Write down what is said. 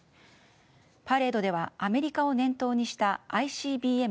パレードではアメリカを念頭にしたＩＣＢＭ